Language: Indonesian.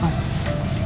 mungkin aja di tau